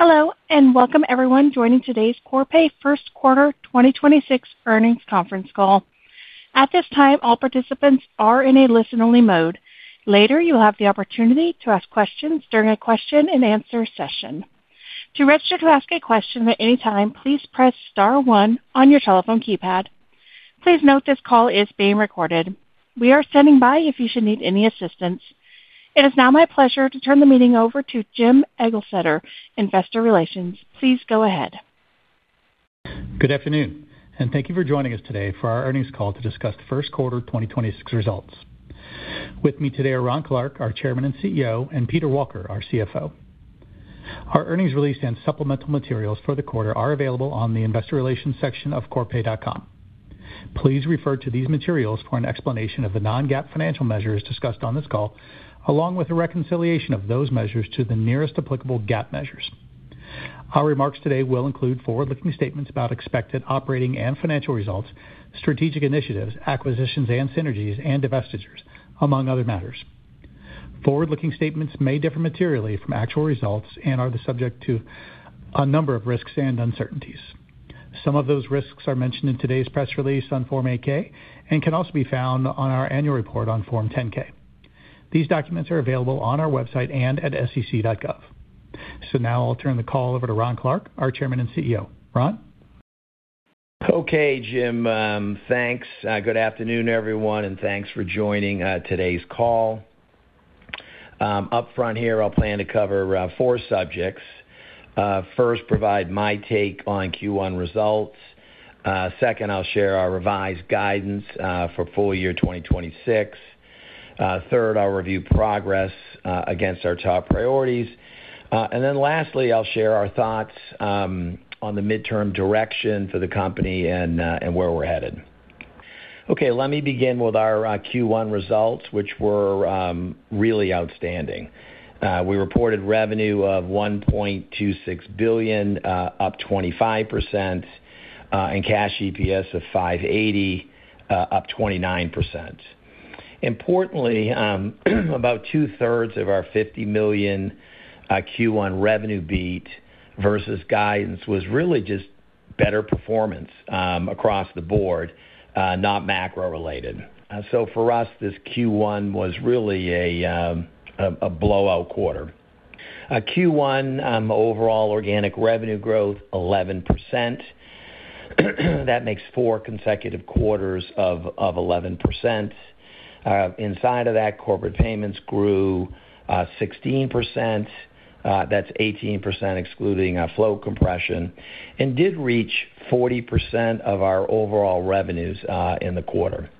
Hello, and welcome everyone joining today's Corpay first quarter 2026 earnings conference call. At this time, all participants are in a listen-only mode. Later, you'll have the opportunity to ask questions during our question-and-answer session. To register to ask a question at any time, please press star one on your telephone keypad. Please note this call is being recorded. We are standing by if you should need any assistance. It is now my pleasure to turn the meeting over to Jim Eglseder, Investor Relations. Please go ahead. Good afternoon, and thank you for joining us today for our earnings call to discuss the first quarter 2026 results. With me today are Ron Clarke, our Chairman and CEO, and Peter Walker, our CFO. Our earnings release and supplemental materials for the quarter are available on the investor relations section of corpay.com. Please refer to these materials for an explanation of the non-GAAP financial measures discussed on this call, along with a reconciliation of those measures to the nearest applicable GAAP measures. Our remarks today will include forward-looking statements about expected operating and financial results, strategic initiatives, acquisitions and synergies, and divestitures, among other matters. Forward-looking statements may differ materially from actual results and are the subject to a number of risks and uncertainties. Some of those risks are mentioned in today's press release on Form 8-K and can also be found on our annual report on Form 10-K. These documents are available on our website and at sec.gov. Now I'll turn the call over to Ron Clarke, our Chairman and CEO. Ron? Okay, Jim. Thanks. Good afternoon, everyone, and thanks for joining today's call. Upfront here, I'll plan to cover four subjects. First, provide my take on Q1 results. Second, I'll share our revised guidance for full year 2026. Third, I'll review progress against our top priorities. Lastly, I'll share our thoughts on the midterm direction for the company and where we're headed. Let me begin with our Q1 results, which were really outstanding. We reported revenue of $1.26 billion, up 25%, and cash EPS of $5.80, up 29%. Importantly, about 2/3 of our $50 million Q1 revenue beat versus guidance was really just better performance across the board, not macro related. For us, this Q1 was really a blowout quarter. Q1 overall organic revenue growth, 11%. That makes four consecutive quarters of 11%. Inside of that, corporate payments grew 16%. That's 18% excluding float compression, and did reach 40% of our overall revenues in the quarter.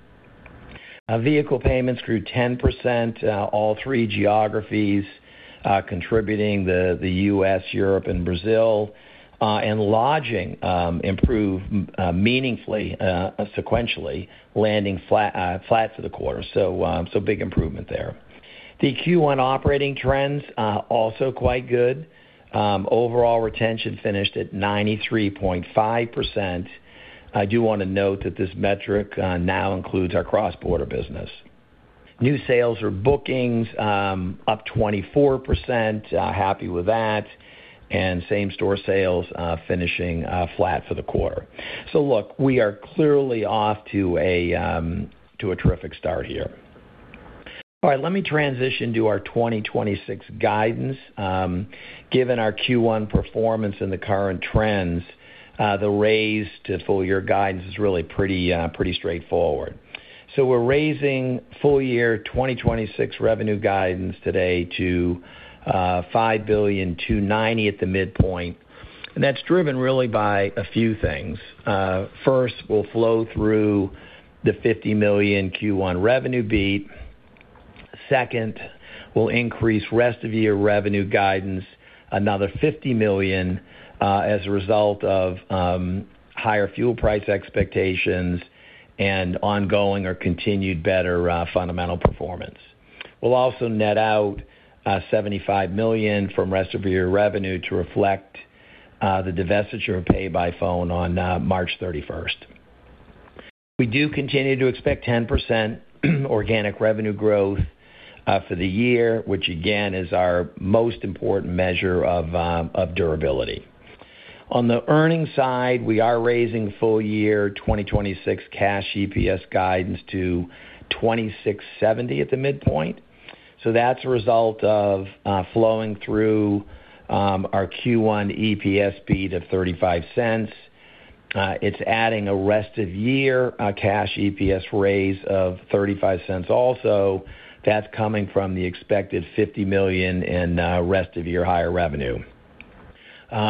Vehicle payments grew 10%. All three geographies contributing the U.S., Europe, and Brazil. Lodging improved meaningfully sequentially, landing flat for the quarter. Big improvement there. The Q1 operating trends also quite good. Overall retention finished at 93.5%. I do wanna note that this metric now includes our cross-border business. New sales or bookings up 24%. Happy with that. Same-store sales, finishing flat for the quarter. Look, we are clearly off to a terrific start here. All right, let me transition to our 2026 guidance. Given our Q1 performance and the current trends, the raise to full year guidance is really pretty straightforward. We're raising full year 2026 revenue guidance today to $5.29 billion at the midpoint. That's driven really by a few things. First, we'll flow through the $50 million Q1 revenue beat. Second, we'll increase rest of year revenue guidance another $50 million as a result of higher fuel price expectations and ongoing or continued better fundamental performance. We'll also net out $75 million from rest of year revenue to reflect the divestiture of PayByPhone on March 31st. We do continue to expect 10% organic revenue growth for the year, which again, is our most important measure of durability. On the earnings side, we are raising full year 2026 cash EPS guidance to $26.70 at the midpoint. That's a result of flowing through our Q1 EPS beat of $0.35. It's adding a rest of year cash EPS raise of $0.35 also. That's coming from the expected $50 million in rest of year higher revenue.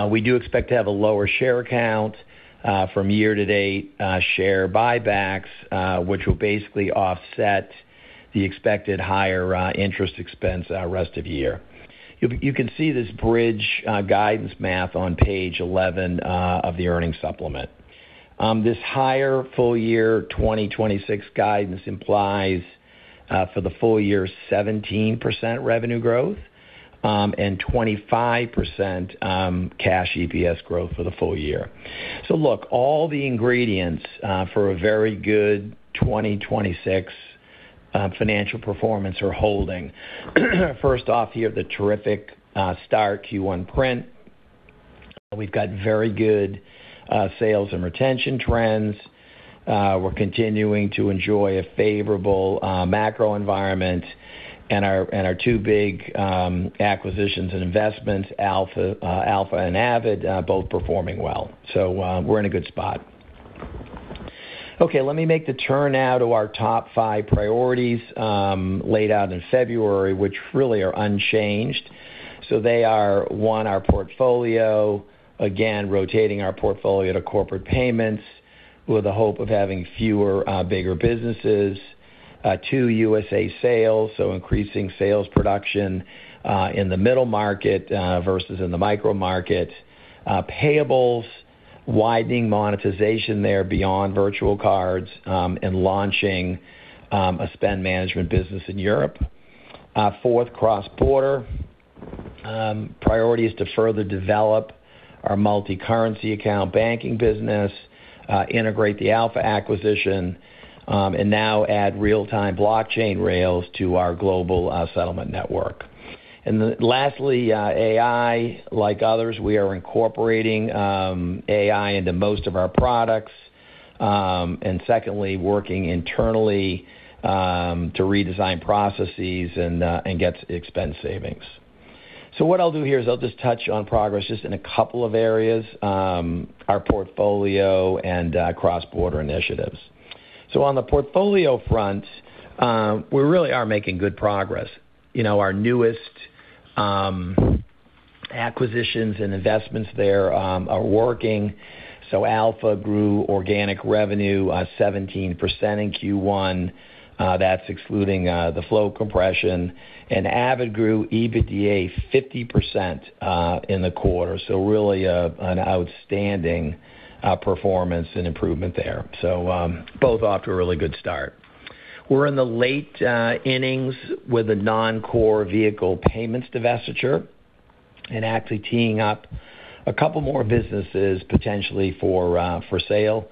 We do expect to have a lower share count from year-to-date share buybacks, which will basically offset the expected higher interest expense rest of year. You can see this bridge guidance math on page 11 of the earnings supplement. This higher full year 2026 guidance implies for the full year 17% revenue growth and 25% cash EPS growth for the full year. Look, all the ingredients for a very good 2026 financial performance are holding. First off here, the terrific star Q1 print. We've got very good sales and retention trends. We're continuing to enjoy a favorable macro environment and our two big acquisitions and investments, Alpha and Avid, both performing well. We're in a good spot. Okay, let me make the turn now to our top five priorities, laid out in February, which really are unchanged. They are, one, our portfolio. Again, rotating our portfolio to corporate payments with the hope of having fewer bigger businesses. Two, USA sales, so increasing sales production in the middle market versus in the micro-market. Payables, widening monetization there beyond virtual cards, and launching a spend management business in Europe. Fourth, cross-border. Priority is to further develop our multicurrency account banking business, integrate the Alpha acquisition, and now add real-time blockchain rails to our global settlement network. Lastly, AI. Like others, we are incorporating AI into most of our products. Secondly, working internally to redesign processes and get expense savings. What I'll do here is I'll just touch on progress just in a couple of areas, our portfolio and cross-border initiatives. On the portfolio front, we really are making good progress. You know, our newest acquisitions and investments there are working. Alpha grew organic revenue, 17% in Q1. That's excluding the float compression. Avid grew EBITDA 50% in the quarter. Really an outstanding performance and improvement there. Both off to a really good start. We're in the late innings with a non-core vehicle payments divestiture and actually teeing up a couple more businesses potentially for sale.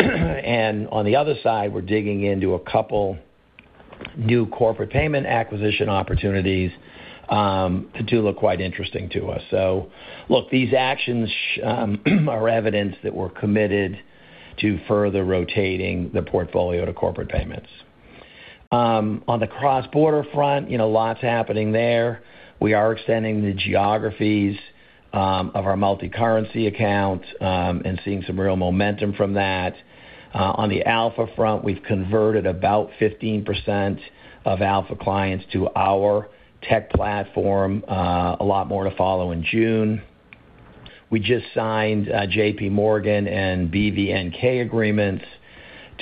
On the other side, we're digging into a couple new corporate payment acquisition opportunities that do look quite interesting to us. Look, these actions are evidence that we're committed to further rotating the portfolio to corporate payments. On the cross-border front, you know, lots happening there. We are extending the geographies of our multicurrency accounts and seeing some real momentum from that. On the Alpha front, we've converted about 15% of Alpha clients to our Tech platform. A lot more to follow in June. We just signed JPMorgan and BVNK agreements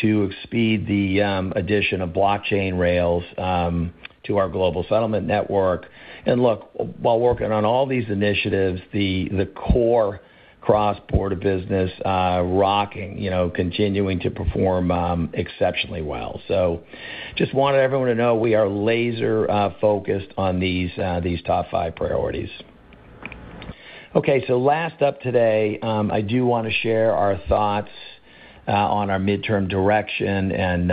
to speed the addition of blockchain rails to our global settlement network. Look, while working on all these initiatives, the core cross-border business rocking, you know, continuing to perform exceptionally well. Just wanted everyone to know we are laser focused on these top five priorities. Last up today, I do wanna share our thoughts on our midterm direction and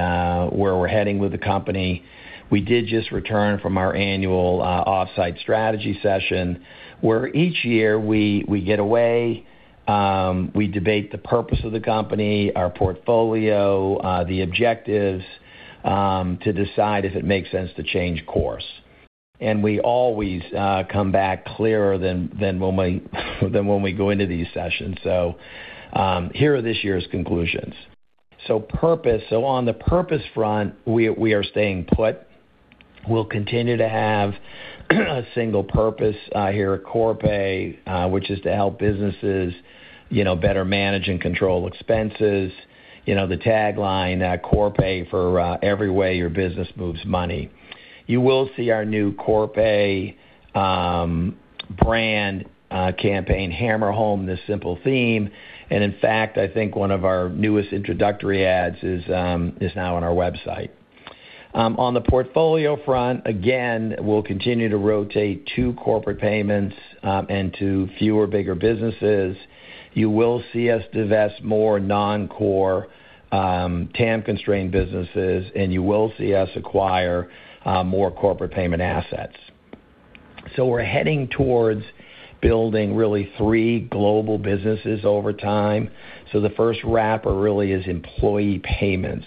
where we're heading with the company. We did just return from our annual off-site strategy session, where each year we get away, we debate the purpose of the company, our portfolio, the objectives, to decide if it makes sense to change course. We always come back clearer than when we go into these sessions. Here are this year's conclusions. Purpose. On the purpose front, we are staying put. We'll continue to have a single purpose here at Corpay, which is to help businesses, you know, better manage and control expenses. You know, the tagline, Corpay for every way your business moves money. You will see our new Corpay brand campaign hammer home this simple theme. In fact, I think one of our newest introductory ads is now on our website. On the portfolio front, again, we'll continue to rotate to corporate payments and to fewer, bigger businesses. You will see us divest more non-core, TAM-constrained businesses, and you will see us acquire more corporate payment assets. We're heading towards building really three global businesses over time. The first wrapper really is employee payments.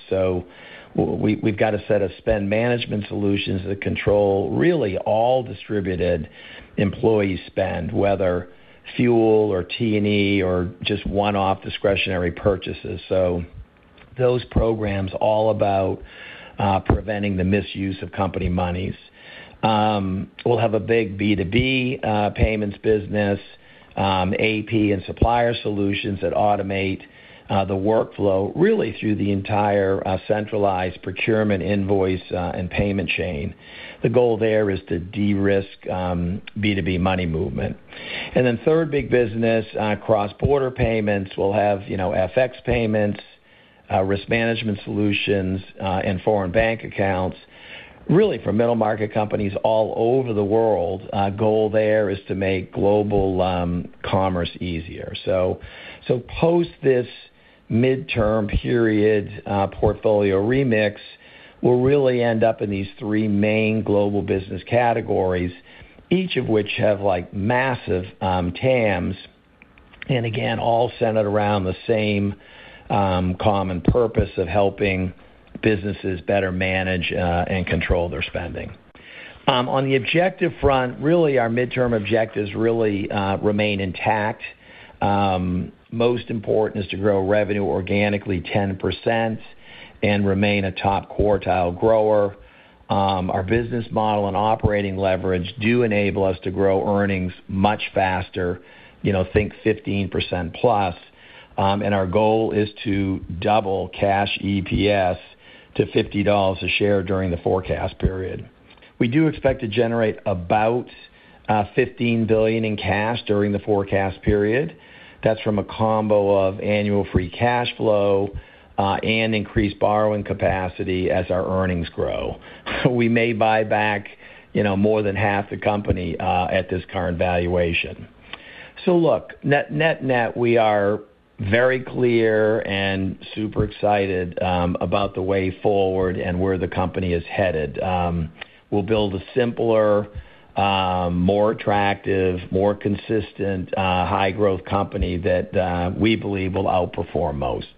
We've got a set of spend management solutions that control really all distributed employee spend, whether fuel or T&E or just one-off discretionary purchases. Those programs all about preventing the misuse of company monies. We'll have a big B2B payments business, AP and supplier solutions that automate the workflow really through the entire centralized procurement invoice and payment chain. The goal there is to de-risk B2B money movement. Third big business, cross-border payments. We'll have, you know, FX payments, risk management solutions, and foreign bank accounts, really for middle-market companies all over the world. Our goal there is to make global commerce easier. Post this midterm period, portfolio remix will really end up in these three main global business categories, each of which have like massive TAMs and again, all centered around the same common purpose of helping businesses better manage and control their spending. On the objective front, really our midterm objectives really remain intact. Most important is to grow revenue organically 10% and remain a top quartile grower. Our business model and operating leverage do enable us to grow earnings much faster, you know, think 15%+. Our goal is to double cash EPS to $50 a share during the forecast period. We do expect to generate about $15 billion in cash during the forecast period. That's from a combo of annual free cash flow and increased borrowing capacity as our earnings grow. We may buy back, you know, more than half the company at this current valuation. Net, net, we are very clear and super excited about the way forward and where the company is headed. We'll build a simpler, more attractive, more consistent, high-growth company that we believe will outperform most.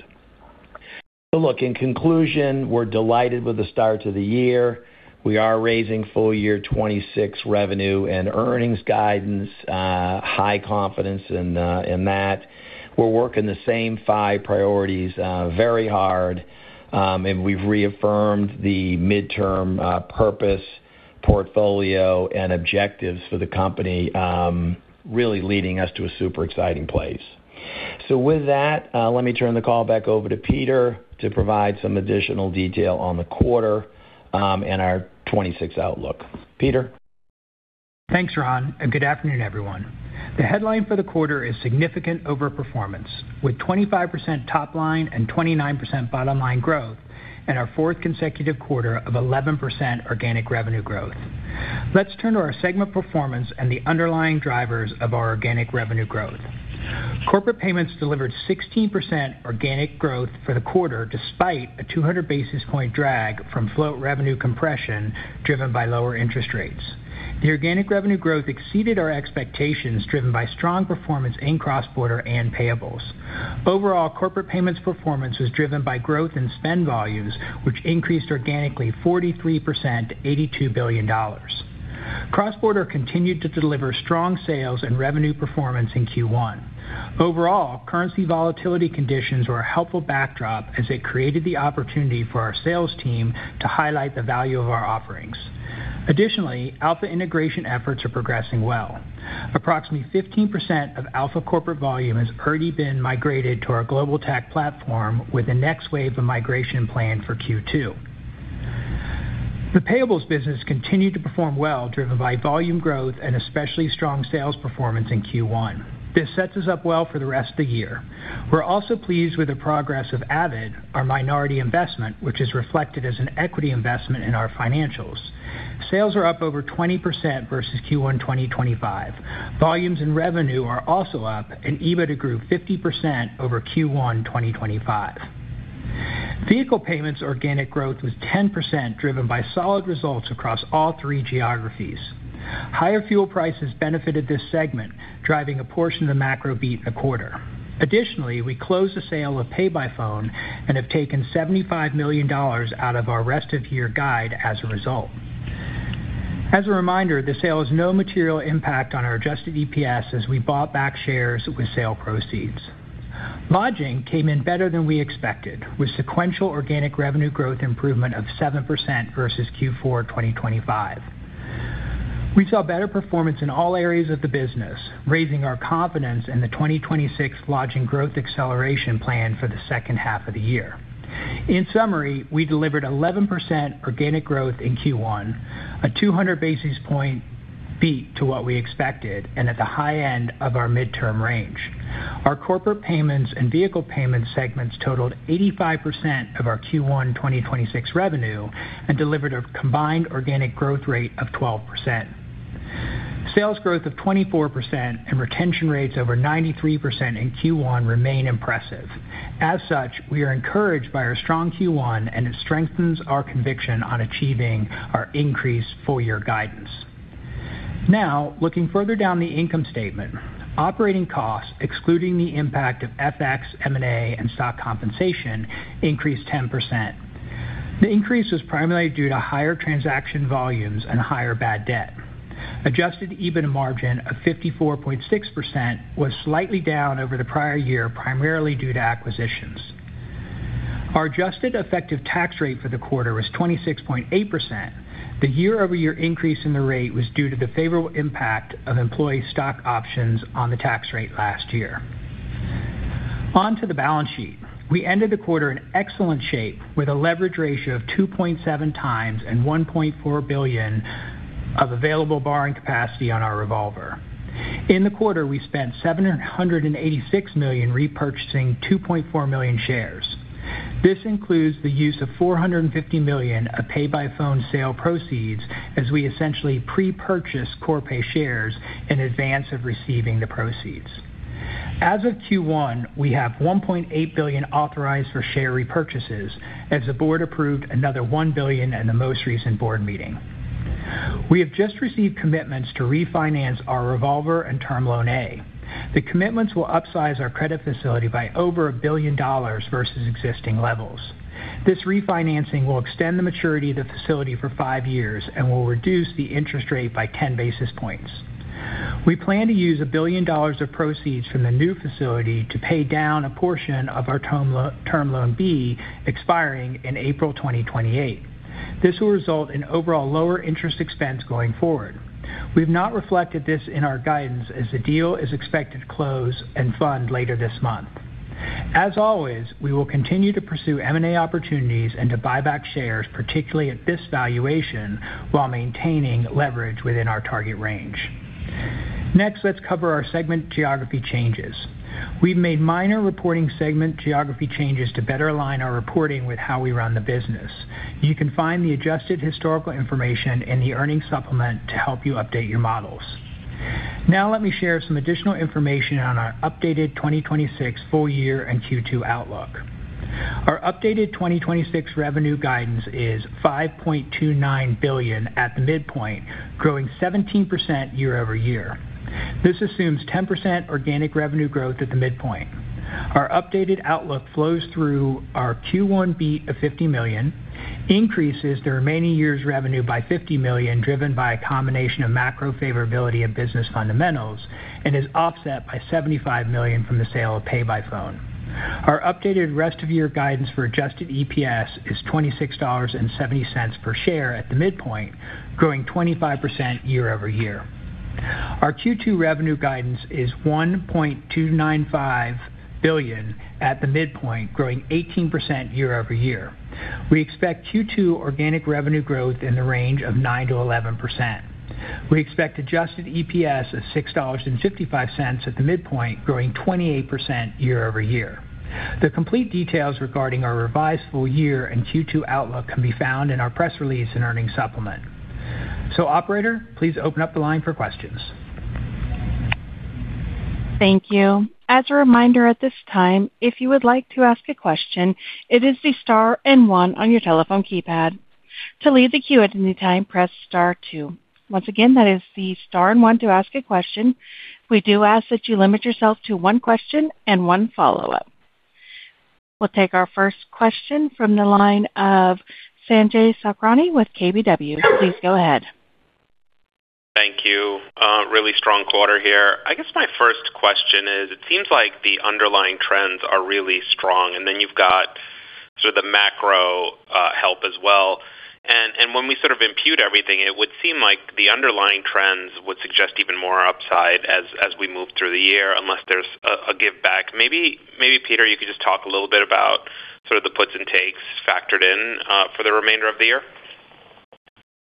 In conclusion, we're delighted with the start to the year. We are raising full year 2026 revenue and earnings guidance, high confidence in that. We're working the same five priorities very hard, and we've reaffirmed the midterm purpose, portfolio, and objectives for the company, really leading us to a super exciting place. With that, let me turn the call back over to Peter to provide some additional detail on the quarter, and our 2026 outlook. Peter. Thanks, Ron and good afternoon, everyone. The headline for the quarter is significant overperformance, with 25% top line and 29% bottom line growth and our fourth consecutive quarter of 11% organic revenue growth. Let's turn to our segment performance and the underlying drivers of our organic revenue growth. Corporate payments delivered 16% organic growth for the quarter, despite a 200 basis point drag from float revenue compression driven by lower interest rates. The organic revenue growth exceeded our expectations, driven by strong performance in cross-border and payables. Overall, corporate payments performance was driven by growth in spend volumes, which increased organically 43% to $82 billion. Cross-border continued to deliver strong sales and revenue performance in Q1. Overall, currency volatility conditions were a helpful backdrop as it created the opportunity for our sales team to highlight the value of our offerings. Additionally, Alpha integration efforts are progressing well. Approximately 15% of Alpha corporate volume has already been migrated to our Global Tech platform, with the next wave of migration planned for Q2. The payables business continued to perform well, driven by volume growth and especially strong sales performance in Q1. This sets us up well for the rest of the year. We're also pleased with the progress of Avid, our minority investment, which is reflected as an equity investment in our financials. Sales are up over 20% versus Q1 2025. Volumes and revenue are also up, and EBITDA grew 50% over Q1 2025. Vehicle payments organic growth was 10%, driven by solid results across all three geographies. Higher fuel prices benefited this segment, driving a portion of the macro beat in the quarter. Additionally, we closed the sale of PayByPhone and have taken $75 million out of our rest of year guide as a result. As a reminder, the sale has no material impact on our adjusted EPS as we bought back shares with sale proceeds. Lodging came in better than we expected, with sequential organic revenue growth improvement of 7% versus Q4 2025. We saw better performance in all areas of the business, raising our confidence in the 2026 lodging growth acceleration plan for the second half of the year. In summary, we delivered 11% organic growth in Q1, a 200 basis point beat to what we expected, and at the high end of our midterm range. Our corporate payments and vehicle payments segments totaled 85% of our Q1 2026 revenue and delivered a combined organic growth rate of 12%. Sales growth of 24% and retention rates over 93% in Q1 remain impressive. As such, we are encouraged by our strong Q1, and it strengthens our conviction on achieving our increased full-year guidance. Now, looking further down the income statement. Operating costs, excluding the impact of FX, M&A, and stock compensation, increased 10%. The increase was primarily due to higher transaction volumes and higher bad debt. Adjusted EBITDA margin of 54.6% was slightly down over the prior year, primarily due to acquisitions. Our adjusted effective tax rate for the quarter was 26.8%. The year-over-year increase in the rate was due to the favorable impact of employee stock options on the tax rate last year. Onto the balance sheet. We ended the quarter in excellent shape with a leverage ratio of 2.7x and $1.4 billion of available borrowing capacity on our revolver. In the quarter, we spent $786 million repurchasing 2.4 million shares. This includes the use of $450 million of PayByPhone sale proceeds as we essentially pre-purchase Corpay shares in advance of receiving the proceeds. As of Q1, we have $1.8 billion authorized for share repurchases as the board approved another $1 billion at the most recent board meeting. We have just received commitments to refinance our revolver and Term Loan A. The commitments will upsize our credit facility by over $1 billion versus existing levels. This refinancing will extend the maturity of the facility for five years and will reduce the interest rate by 10 basis points. We plan to use $1 billion of proceeds from the new facility to pay down a portion of our Term Loan B expiring in April 2028. This will result in overall lower interest expense going forward. We've not reflected this in our guidance as the deal is expected to close and fund later this month. As always, we will continue to pursue M&A opportunities and to buy back shares, particularly at this valuation, while maintaining leverage within our target range. Next, let's cover our segment geography changes. We've made minor reporting segment geography changes to better align our reporting with how we run the business. You can find the adjusted historical information in the earnings supplement to help you update your models. Now let me share some additional information on our updated 2026 full year and Q2 outlook. Our updated 2026 revenue guidance is $5.29 billion at the midpoint, growing 17% year-over-year. This assumes 10% organic revenue growth at the midpoint. Our updated outlook flows through our Q1 beat of $50 million, increases the remaining year's revenue by $50 million, driven by a combination of macro favorability and business fundamentals, and is offset by $75 million from the sale of PayByPhone. Our updated rest of year guidance for adjusted EPS is $26.70 per share at the midpoint, growing 25% year-over-year. Our Q2 revenue guidance is $1.295 billion at the midpoint, growing 18% year-over-year. We expect Q2 organic revenue growth in the range of 9%-11%. We expect adjusted EPS of $6.55 at the midpoint, growing 28% year-over-year. The complete details regarding our revised full year and Q2 outlook can be found in our press release and earnings supplement. Operator, please open up the line for questions. Thank you. As a reminder at this time, if you would like to ask a question, it is the star and one on your telephone keypad. To leave the queue at any time, press star two. Once again, that is the star and one to ask a question. We do ask that you limit yourself to one question and one follow-up. We'll take our first question from the line of Sanjay Sakhrani with KBW. Please go ahead. Thank you. Really strong quarter here. I guess my first question is, it seems like the underlying trends are really strong, then you've got sort of the macro help as well. When we sort of impute everything, it would seem like the underlying trends would suggest even more upside as we move through the year, unless there's a giveback. Maybe, Peter, you could just talk a little bit about sort of the puts and takes factored in for the remainder of the year.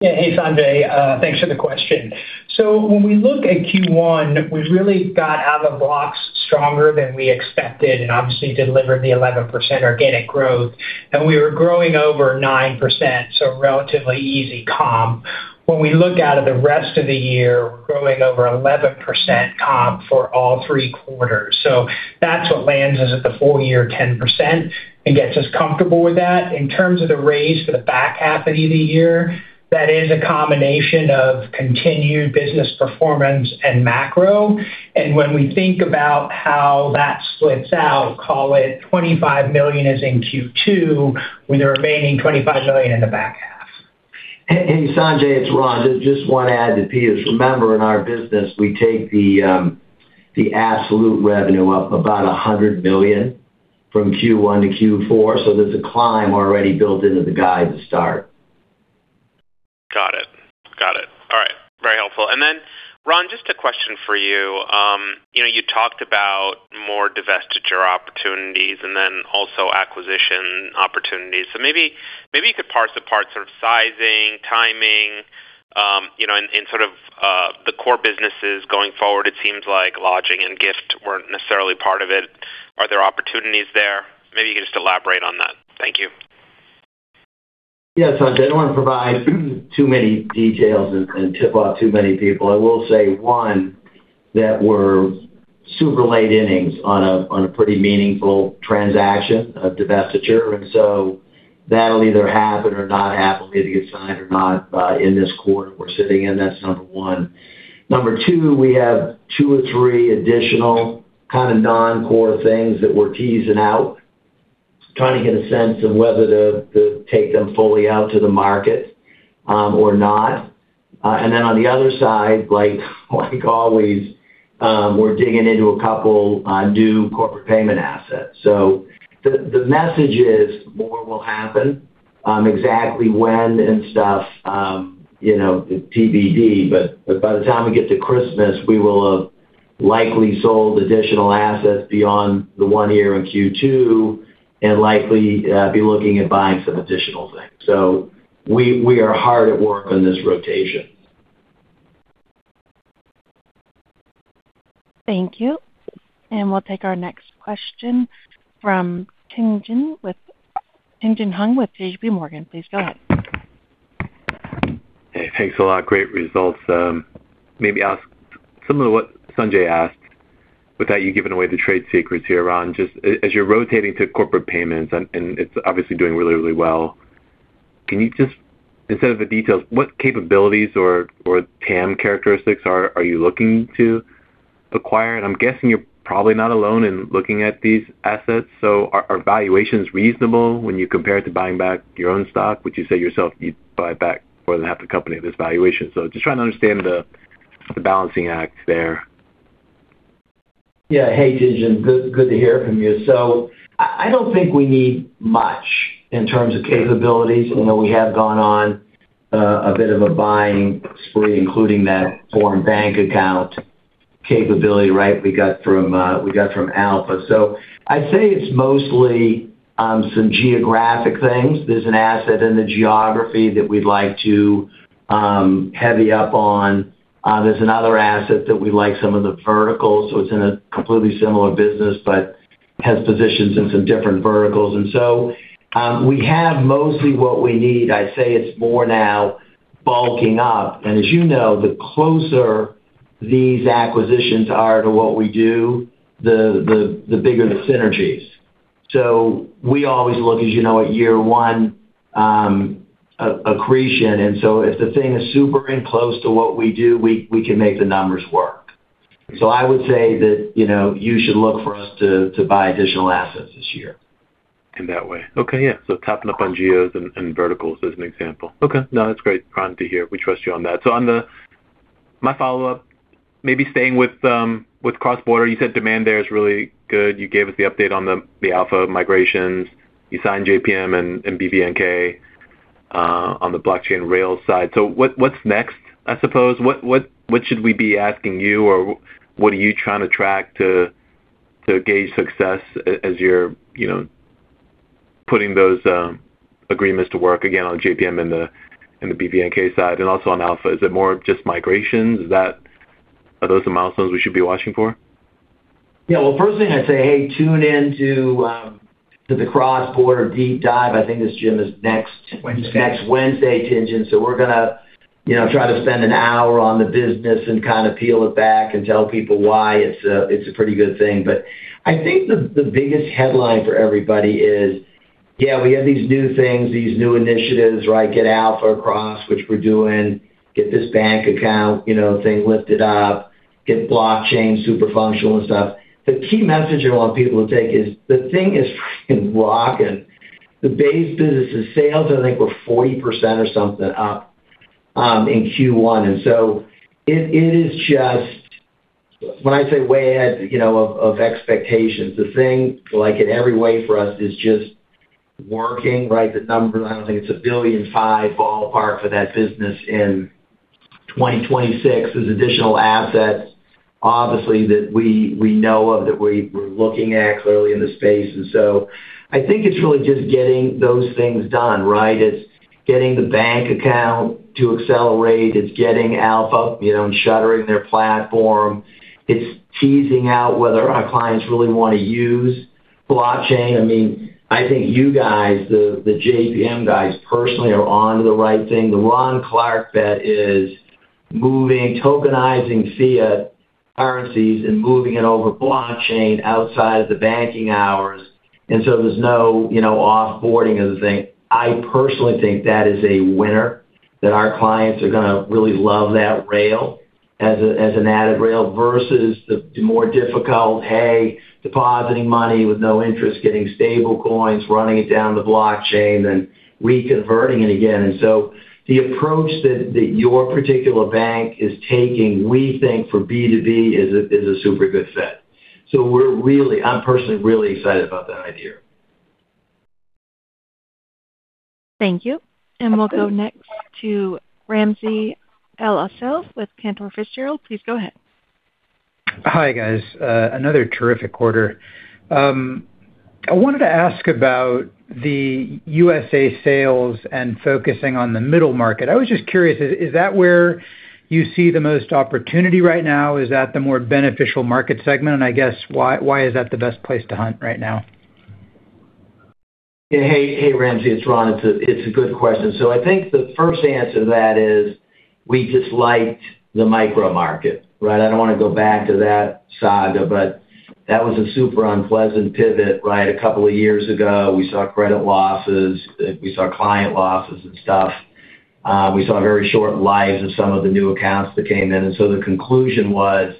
Hey, Sanjay, thanks for the question. When we look at Q1, we really got out of the blocks stronger than we expected and obviously delivered the 11% organic growth. We were growing over 9%, so relatively easy comp. When we look out at the rest of the year, we're growing over 11% comp for all three quarters. That's what lands us at the full year 10% and gets us comfortable with that. In terms of the raise for the back half of the year, that is a combination of continued business performance and macro. When we think about how that splits out, call it $25 million is in Q2, with the remaining $25 million in the back half. Hey, Sanjay, it's Ron. Just want to add to Peter's. Remember, in our business, we take the absolute revenue up about $100 million from Q1 to Q4, so there's a climb already built into the guide to start. Got it. All right. Very helpful. Ron, just a question for you. you know, you talked about more divestiture opportunities and also acquisition opportunities. Maybe you could parse apart sort of sizing, timing, you know, and sort of the core businesses going forward. It seems like lodging and gift weren't necessarily part of it. Are there opportunities there? Maybe you could just elaborate on that. Thank you. Yeah, Sanjay. I don't want to provide too many details and tip off too many people. I will say, one, that we're super late innings on a, on a pretty meaningful transaction of divestiture. That'll either happen or not happen, maybe get signed or not, in this quarter we're sitting in. That's number one. Number two, we have two or three additional kind of non-core things that we're teasing out, trying to get a sense of whether to take them fully out to the market, or not. On the other side, like always, we're digging into a couple new corporate payment assets. The, the message is more will happen. Exactly when and stuff, you know, TBD. By the time we get to Christmas, we will have likely sold additional assets beyond the one here in Q2 and likely be looking at buying some additional things. We are hard at work on this rotation. Thank you. We'll take our next question from Tien-Tsin Huang with JPMorgan. Please go ahead. Hey, thanks a lot. Great results. Maybe ask similar to what Sanjay asked without you giving away the trade secrets here, Ron. As you're rotating to corporate payments and it's obviously doing really, really well, can you just instead of the details, what capabilities or TAM characteristics are you looking to acquire? I'm guessing you're probably not alone in looking at these assets. Are valuations reasonable when you compare it to buying back your own stock, which you say yourself you'd buy back more than half the company at this valuation. Just trying to understand the balancing act there. Yeah. Hey, Tien-Tsin. Good to hear from you. I don't think we need much in terms of capabilities. You know, we have gone on a bit of a buying spree, including that foreign bank account capability, right? We got from Alpha. I'd say it's mostly some geographic things. There's an asset in the geography that we'd like to heavy up on. There's another asset that we like some of the verticals, so it's in a completely similar business, but has positions in some different verticals. We have mostly what we need. I'd say it's more now bulking up. As you know, the closer these acquisitions are to what we do, the bigger the synergies. We always look, as you know, at year one accretion. If the thing is super in close to what we do, we can make the numbers work. I would say that, you know, you should look for us to buy additional assets this year in that way. Okay. Yeah. Topping up on geos and verticals as an example. Okay. No, that's great, Ron, to hear. We trust you on that. On the My follow-up, maybe staying with cross-border, you said demand there is really good. You gave us the update on the Alpha migrations. You signed JPM and BVNK on the blockchain rail side. What, what's next? I suppose what should we be asking you or what are you trying to track to gauge success as you're, you know, putting those agreements to work again on JPM and the BVNK side and also on Alpha? Is it more just migrations? Are those the milestones we should be watching for? Yeah. Well, first thing I'd say, hey, tune in to the cross-border deep dive. I think this, Jim, is next- Wednesday. Next Wednesday, Tien-Tsin Huang. We're gonna, you know, try to spend an hour on the business and kind of peel it back and tell people why it's a pretty good thing. I think the biggest headline for everybody is, yeah, we have these new things, these new initiatives, right? Get Alpha across, which we're doing, get this bank account, you know, thing lifted up, get blockchain super functional and stuff. The key message I want people to take is the thing is rocking. The base business is sales, I think we're 40% or something up in Q1. It, it is just when I say way ahead, you know, of expectations, the thing like in every way for us is just working, right? The numbers, I don't think it's a $1.5 billion ballpark for that business in 2026. There's additional assets obviously that we know of that we're looking at clearly in the space. I think it's really just getting those things done, right? It's getting the bank account to accelerate. It's getting Alpha, you know, and shuttering their platform. It's teasing out whether our clients really wanna use blockchain. I mean, I think you guys, the JPM guys personally are onto the right thing. The Ron Clarke bet is moving tokenizing fiat currencies and moving it over blockchain outside of the banking hours. There's no, you know, off-boarding of the thing. I personally think that is a winner, that our clients are gonna really love that rail as an added rail versus the more difficult, hey, depositing money with no interest, getting stablecoins, running it down the blockchain, then reconverting it again. The approach that your particular bank is taking, we think for B2B is a super good fit. I'm personally really excited about that idea. Thank you. We'll go next to Ramsey El-Assal with Cantor Fitzgerald. Please go ahead. Hi, guys. another terrific quarter. I wanted to ask about the USA sales and focusing on the middle market. I was just curious, is that where you see the most opportunity right now? Is that the more beneficial market segment? I guess why is that the best place to hunt right now? Yeah. Hey, hey, Ramsey, it's Ron. It's a good question. I think the first answer to that is we just liked the micro market, right? I don't wanna go back to that saga, but that was a super unpleasant pivot, right? A couple of years ago, we saw credit losses. We saw client losses and stuff. We saw very short lives of some of the new accounts that came in. The conclusion was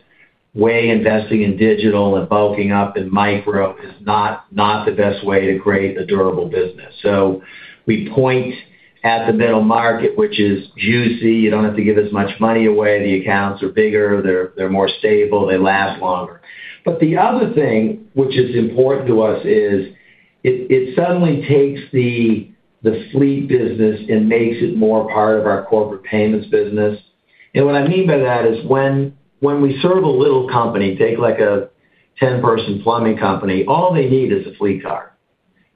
way investing in digital and bulking up in micro is not the best way to create a durable business. We point at the middle market, which is juicy. You don't have to give as much money away. The accounts are bigger. They're more stable. They last longer. The other thing which is important to us is it suddenly takes the fleet business and makes it more part of our corporate payments business. What I mean by that is when we serve a little company, take like a 10-person plumbing company, all they need is a fleet car.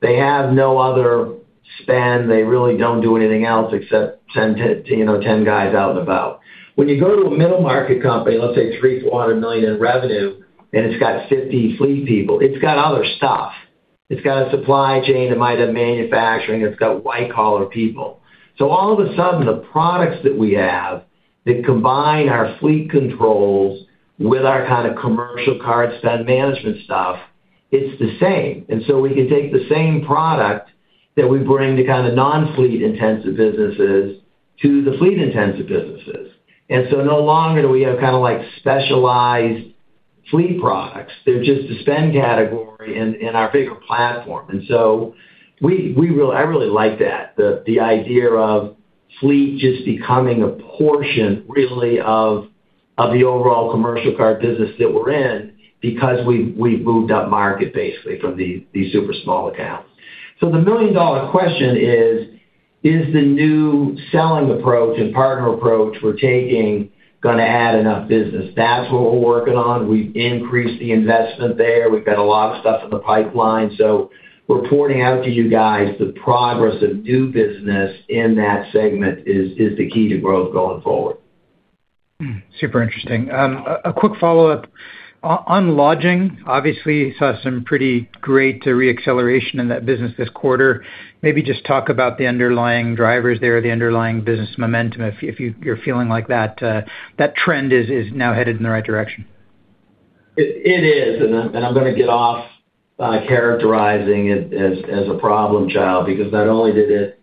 They have no other spend. They really don't do anything else except send 10, you know, 10 guys out and about. When you go to a middle-market company, let's say $300 million-$400 million in revenue, and it's got 50 fleet people, it's got other stuff. It's got a supply chain, it might have manufacturing, it's got white-collar people. All of a sudden, the products that we have that combine our fleet controls with our kind of commercial card spend management stuff, it's the same. We can take the same product that we bring to kind of non-fleet-intensive businesses to the fleet-intensive businesses. No longer do we have kind of like specialized fleet products. They're just a spend category in our bigger platform. I really like that, the idea of fleet just becoming a portion, really, of the overall commercial card business that we're in because we've moved upmarket, basically, from these super small accounts. The million-dollar question is the new selling approach and partner approach we're taking gonna add enough business? That's what we're working on. We've increased the investment there. We've got a lot of stuff in the pipeline. Reporting out to you guys the progress of new business in that segment is the key to growth going forward. Super interesting. A quick follow-up. On lodging, obviously, you saw some pretty great re-acceleration in that business this quarter. Maybe just talk about the underlying drivers there, the underlying business momentum, if you're feeling like that trend is now headed in the right direction. It is, I'm gonna get off characterizing it as a problem child, because not only did it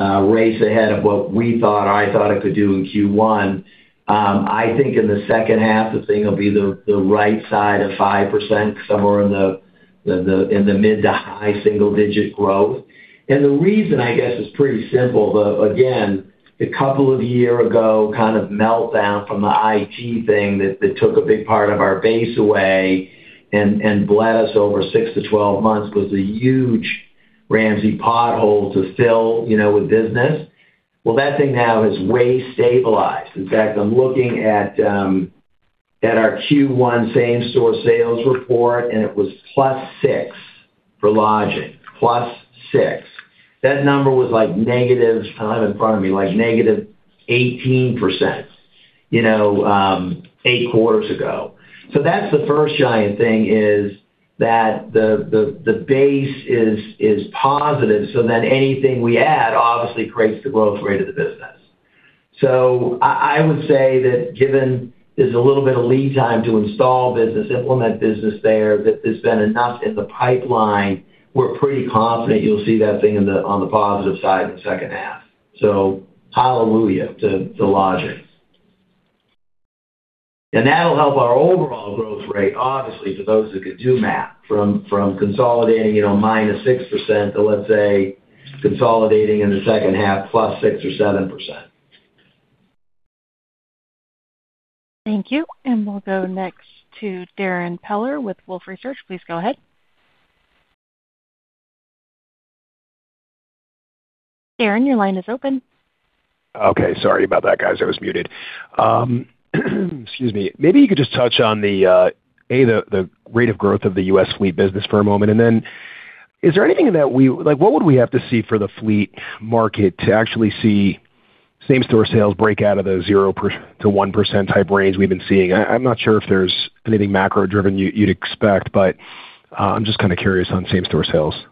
race ahead of what we thought or I thought it could do in Q1, I think in the second half, the thing will be the right side of 5%, somewhere in the mid to high single-digit growth. The reason, I guess, is pretty simple. Again, the couple of year ago kind of meltdown from the IT thing that took a big part of our base away and bled us over six to 12 months was a huge Ramsey pothole to fill, you know, with business. Well, that thing now has way stabilized. In fact, I'm looking at our Q1 same-store sales report, and it was +6 for lodging. +6. That number was like negative. It's not even in front of me. Like -18%, you know, eight quarters ago. That's the first giant thing, is that the base is positive so then anything we add obviously creates the growth rate of the business. I would say that given there's a little bit of lead time to install business, implement business there, that there's been enough in the pipeline, we're pretty confident you'll see that thing on the positive side in the second half. Hallelujah to lodging. That'll help our overall growth rate, obviously, for those who could do math, from consolidating, you know, -6% to, let's say, consolidating in the second half +6% or 7%. Thank you. We'll go next to Darrin Peller with Wolfe Research. Please go ahead. Darrin, your line is open. Okay. Sorry about that, guys. I was muted. Excuse me. Maybe you could just touch on the rate of growth of the U.S. fleet business for a moment. Like, what would we have to see for the fleet market to actually see same-store sales break out of the zero to 1% type range we've been seeing? I'm not sure if there's anything macro-driven you'd expect, but I'm just kind of curious on same-store sales. Yeah.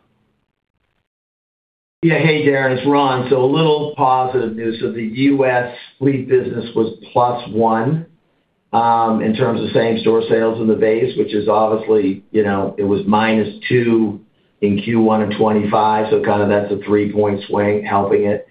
Hey, Darrin, it's Ron Clarke. A little positive news. The U.S. fleet business was +1 in terms of same-store sales in the base, which is obviously, you know, it was -2 in Q1 of 2025, so kind of that's a three-point swing helping it.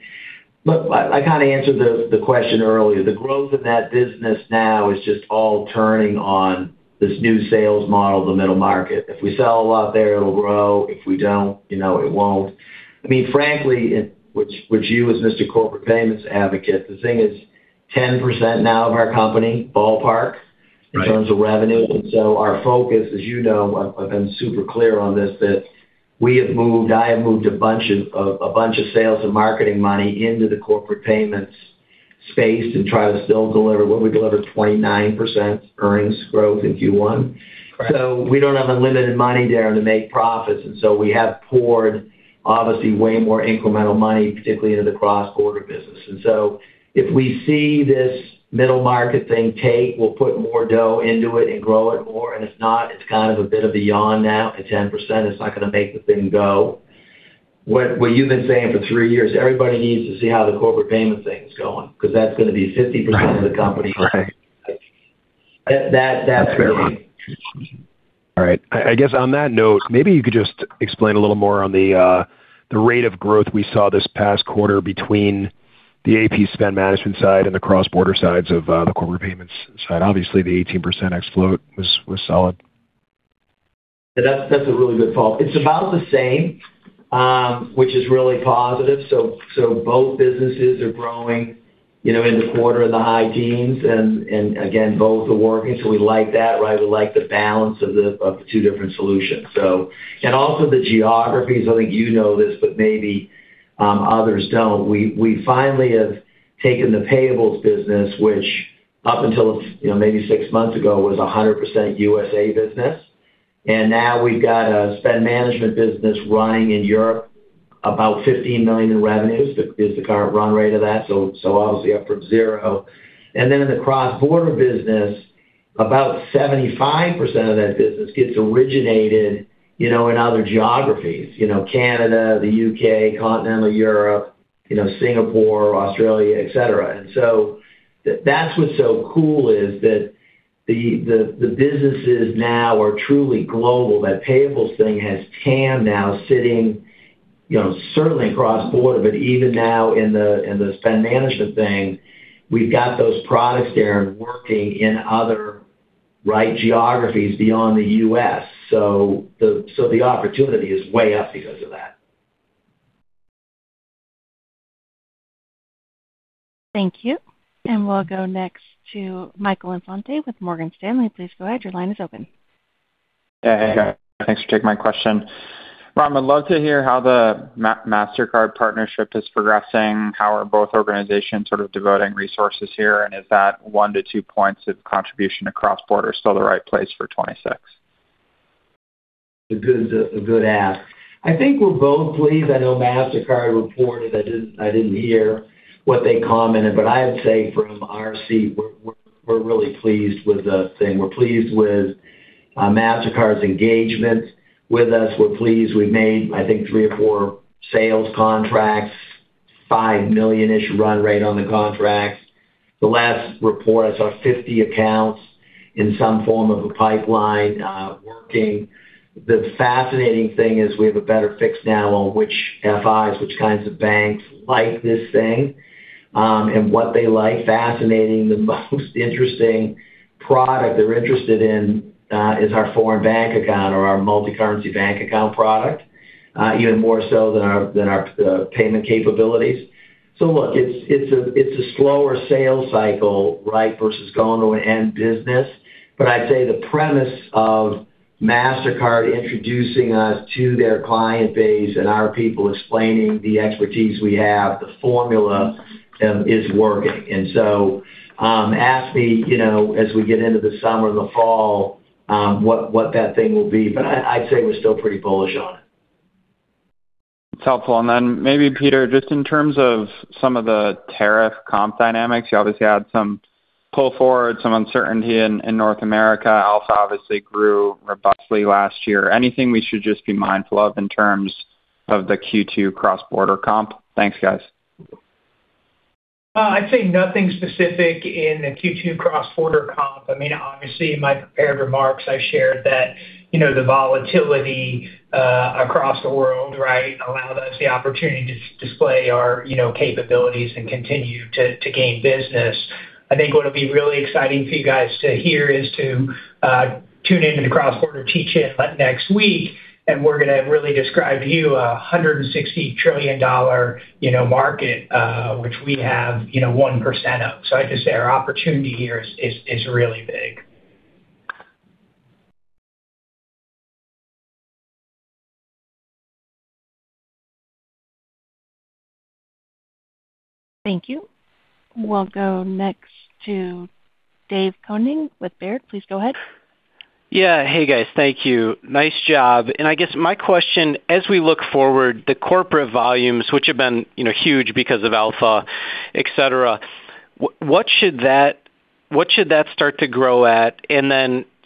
I kinda answered the question earlier. The growth of that business now is just all turning on this new sales model, the middle market. If we sell a lot there, it'll grow. If we don't, you know, it won't. Frankly, which you as Mr. Corporate Payments Advocate, the thing is 10% now of our company, ballpark in terms of revenue. Our focus, as you know, I've been super clear on this, that we have moved, I have moved a bunch of sales and marketing money into the corporate payments space to try to still deliver what we delivered, 29% earnings growth in Q1. We don't have unlimited money, Darrin, to make profits, we have poured, obviously, way more incremental money, particularly into the cross-border business. If we see this middle market thing take, we'll put more dough into it and grow it more. If not, it's kind of a bit of a yawn now at 10%. It's not gonna make the thing go. What you've been saying for three years, everybody needs to see how the corporate payment thing is going, 'cause that's gonna be 50% of the company. Right. That. That's fair. All right. I guess on that note, maybe you could just explain a little more on the rate of growth we saw this past quarter between the AP spend management side and the cross-border sides of the corporate payments side. Obviously, the 18% ex float was solid. That's a really good follow-up. It's about the same, which is really positive. Both businesses are growing, you know, in the quarter in the high teens and again, both are working, so we like that, right? We like the balance of the two different solutions. Also the geographies. I think you know this, but maybe others don't. We finally have taken the payables business, which up until maybe six months ago, it was 100% USA business. Now we've got a spend management business running in Europe, about $15 million in revenues is the current run rate of that. Obviously up from zero. In the cross-border business, about 75% of that business gets originated, you know, in other geographies. You know, Canada, the U.K., Continental Europe, you know, Singapore, Australia, et cetera. That's what's so cool, is that the businesses now are truly global. That payables thing has TAM now sitting, you know, certainly cross-border. Even now in the spend management thing, we've got those products, they're working in other right geographies beyond the U.S. The opportunity is way up because of that. Thank you. We'll go next to Michael Infante with Morgan Stanley. Please go ahead. Your line is open. Hey. Thanks for taking my question. Ron, I'd love to hear how the Mastercard partnership is progressing. How are both organizations sort of devoting resources here? Is that one to two points of contribution to cross-border still the right place for 2026? A good ask. I think we're both pleased. I know Mastercard reported. I didn't hear what they commented, but I would say from our seat, we're really pleased with the thing. We're pleased with Mastercard's engagement with us. We're pleased we've made, I think, three or four sales contracts, $5 million-ish run rate on the contracts. The last report I saw, 50 accounts in some form of a pipeline, working. The fascinating thing is we have a better fix now on which FIs, which kinds of banks like this thing, and what they like. Fascinating. The most interesting product they're interested in is our foreign bank account or our multicurrency bank account product, even more so than our payment capabilities. Look, it's a slower sales cycle, right, versus going to an end business. I'd say the premise of Mastercard introducing us to their client base and our people explaining the expertise we have, the formula, is working. Ask me, you know, as we get into the summer and the fall, what that thing will be. I'd say we're still pretty bullish on it. It's helpful. Maybe, Peter, just in terms of some of the tariff comp dynamics, you obviously had some pull forward, some uncertainty in North America. Alpha obviously grew robustly last year. Anything we should just be mindful of in terms of the Q2 cross-border comp? Thanks, guys. I'd say nothing specific in the Q2 cross-border comp. I mean, obviously in my prepared remarks, I shared that, you know, the volatility, across the world, right, allowed us the opportunity to display our, you know, capabilities and continue to gain business. I think what'll be really exciting for you guys to hear is to tune in to the cross-border teach-in next week, we're gonna really describe to you a $160 trillion, you know, market, which we have, you know, 1% of. I'd just say our opportunity here is really big. Thank you. We'll go next to Dave Koning with Baird. Please go ahead. Yeah. Hey, guys. Thank you. Nice job. I guess my question, as we look forward, the corporate volumes, which have been, you know, huge because of Alpha, et cetera, what should that start to grow at?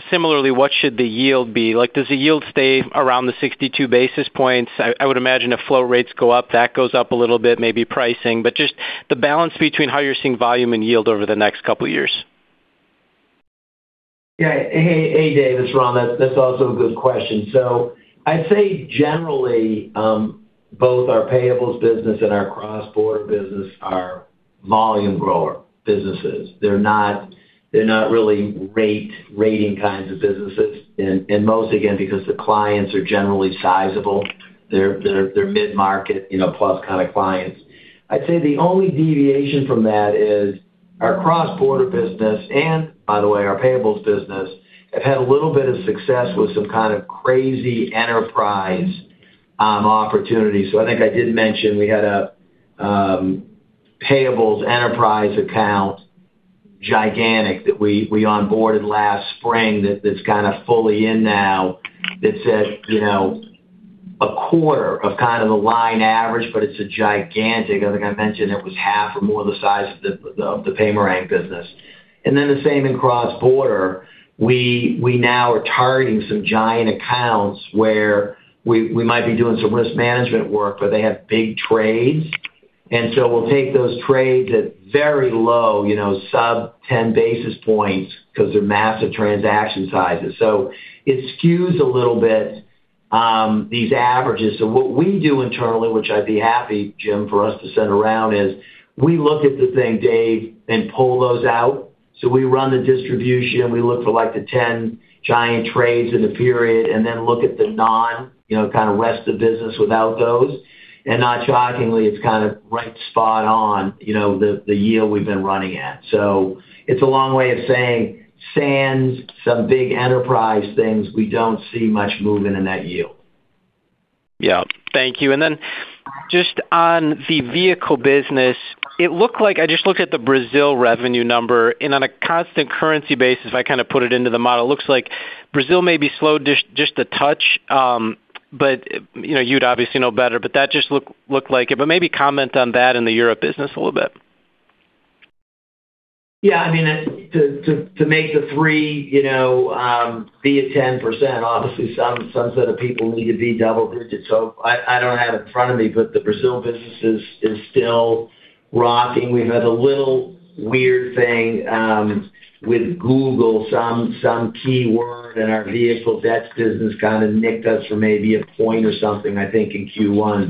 Similarly, what should the yield be? Like, does the yield stay around the 62 basis points? I would imagine if flow rates go up, that goes up a little bit, maybe pricing. Just the balance between how you're seeing volume and yield over the next couple years. Yeah. Hey, Dave, it's Ron. That's also a good question. I'd say generally, both our payables business and our cross-border business are volume grower businesses. They're not really rating kinds of businesses. Mostly again, because the clients are generally sizable. They're mid-market, you know, plus kind of clients. I'd say the only deviation from that is our cross-border business and by the way, our payables business, have had a little bit of success with some kind of crazy enterprise opportunities. I think I did mention we had a payables enterprise account, gigantic, that we onboarded last spring that's kind of fully in now that said, you know, a quarter of kind of the line average, but it's a gigantic. I think I mentioned it was half or more of the size of the Paymerang business. The same in cross-border. We now are targeting some giant accounts where we might be doing some risk management work, but they have big trades. We'll take those trades at very low, you know, sub-10 basis points because they're massive transaction sizes. It skews a little bit these averages. What we do internally, which I'd be happy, Jim, for us to send around, is we look at the thing, Dave, and pull those out. We run the distribution, we look for like the 10 giant trades in the period and then look at the non, you know, kind of rest of business without those. Not shockingly, it's kinda right spot on, you know, the yield we've been running at. It's a long way of saying sans some big enterprise things, we don't see much movement in that yield. Yeah. Thank you. Just on the vehicle business, it looked like I just looked at the Brazil revenue number, on a constant currency basis, if I kind of put it into the model, it looks like Brazil may be slowed just a touch, you know, you'd obviously know better, that just look like it. Maybe comment on that and the Europe business a little bit. Yeah. I mean, to make the three, you know, be at 10%, obviously some set of people need to be double digits. I don't have it in front of me, but the Brazil business is still rocking. We've had a little weird thing with Google, some keyword in our vehicle debits business kinda nicked us for maybe a point or something, I think, in Q1.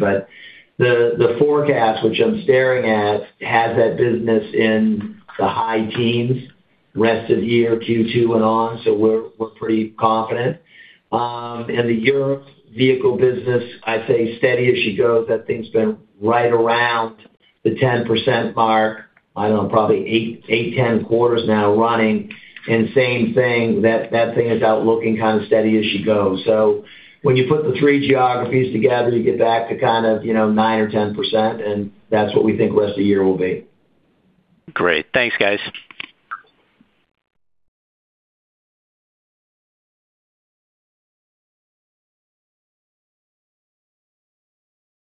The forecast, which I'm staring at, has that business in the high teens rest of year, Q2 and on, so we're pretty confident. The Europe vehicle business, I'd say steady as she goes. That thing's been right around the 10% mark, I don't know, probably eight to 10 quarters now running. Same thing, that thing is out looking kind of steady as she goes. When you put the three geographies together, you get back to kind of, you know, 9% or 10%, and that's what we think rest of the year will be. Great. Thanks, guys.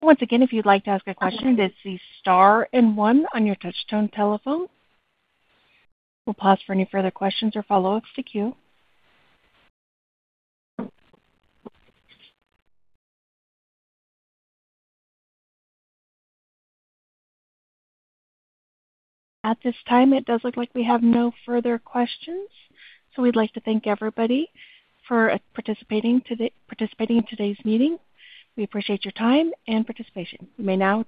Once again, if you'd like to ask a question, that's star and one on your touch-tone telephone. We'll pause for any further questions or follow-ups to queue. At this time, it does look like we have no further questions, we'd like to thank everybody for participating in today's meeting. We appreciate your time and participation. You may now disconnect.